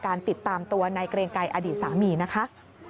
การติดตามตัวนายเกลียงกายอดีตสามีนะคะ